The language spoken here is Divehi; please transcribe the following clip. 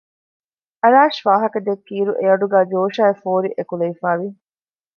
އަރާޝް ވާހަކަދެއްކިއިރު އެއަޑުގައި ޖޯޝާއި ފޯރި އެކުލެވިފައި ވި